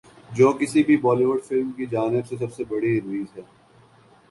جو کسی بھی بولی وڈ فلم کی جانب سے سب سے بڑی ریلیز ہے